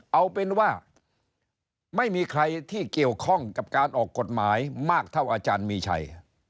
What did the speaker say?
เอาเป็นว่าไม่มีใครที่เกี่ยวข้องกับการออกกฎหมายมากเท่าอาจารย์มีชัย